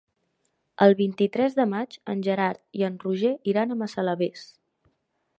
El vint-i-tres de maig en Gerard i en Roger iran a Massalavés.